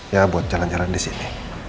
ya buat jalan jalan di sini